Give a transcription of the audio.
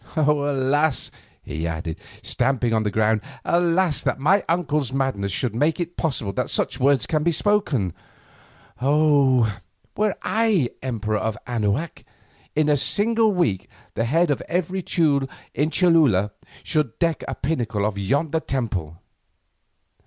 Alas!" he added, stamping on the ground, "alas! that my uncle's madness should make it possible that such words can be spoken. Oh! were I emperor of Anahuac, in a single week the head of every Teule in Cholula should deck a pinnacle of yonder temple."